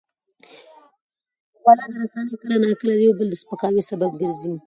خواله رسنۍ کله ناکله د یو بل د سپکاوي سبب ګرځي.